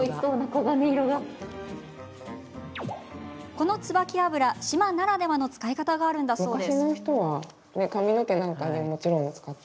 この椿油、島ならではの使い方があるんだそうです。